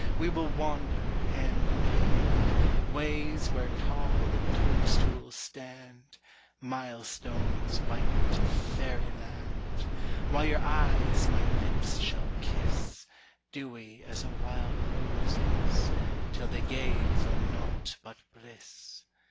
"We will wander, hand in hand, Ways where tall the toadstools stand, Mile stones white of Fairyland. "While your eyes my lips shall kiss, Dewy as a wild rose is, Till they gaze on naught but bliss.